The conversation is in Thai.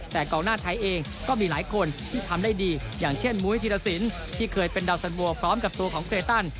แต่กองหน้าไทยเองก็มีหลายคนที่ทำได้ดีอย่างเช่นมุ้ยธีรสินที่เคยเป็นดาวสันบัวพร้อมกับตัวของเครตัน